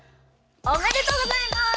おめでとうございます。